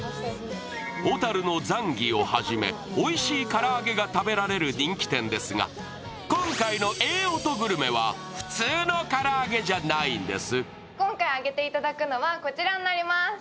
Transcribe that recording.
小樽のザンギをはじめ、おいしい唐揚げが食べられる人気店ですが、今回のええ音グルメは、普通の唐揚げじゃないんです。